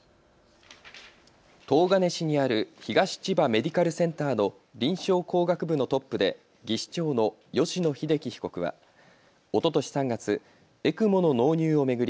東金市にある東千葉メディカルセンターの臨床工学部のトップで技士長の吉野英樹被告は、おととし３月、ＥＣＭＯの納入を巡り